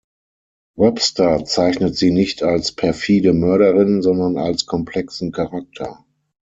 Webster zeichnet sie nicht als perfide Mörderin, sondern als komplexen Charakter.